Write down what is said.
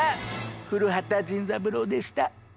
古畑ジンズ三郎でした。